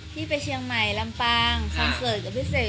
พี่ไปเชียงใหม่ลำปางคอนเสิร์ตกับพี่เสก